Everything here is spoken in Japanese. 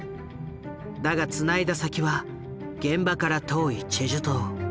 だがつないだ先は現場から遠いチェジュ島。